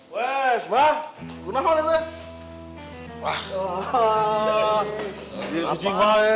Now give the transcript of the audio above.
weh sebah kenaan weh weh